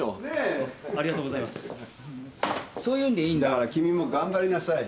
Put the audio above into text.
だから君も頑張りなさい。